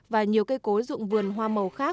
và nhiều cây cối dụng vườn hoa màu khác